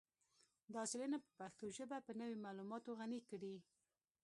دا څیړنه به پښتو ژبه په نوي معلوماتو غني کړي